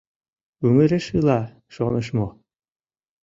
Ӱмыреш ила, шоныш мо?